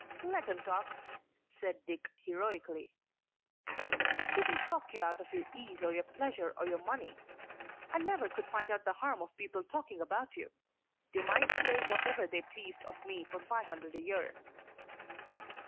"Let 'em talk," said Dick heroically. "They couldn't talk you out of your ease or your pleasure or your money. I never could find out the harm of people talking about you. They might say whatever they pleased of me for five hundred a year."